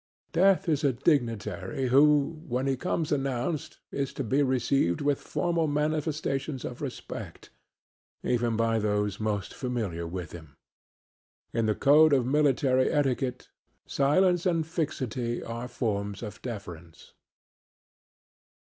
Death is a dignitary who when he comes announced is to be received with formal manifestations of respect, even by those most familiar with him. In the code of military etiquette silence and fixity are forms of deference.